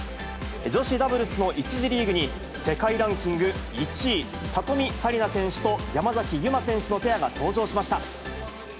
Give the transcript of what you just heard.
女子ダブルスの１次リーグに、世界ランキング１位、里見紗李奈選手と山崎悠麻選手のペアが登場しました。